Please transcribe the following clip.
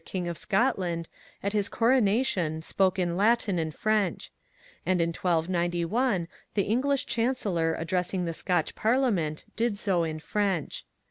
King of Scotland, at his coronation spoke in Latin and French; and in 1291 the English Chancellor address ing the Scotch Parliament did so in French.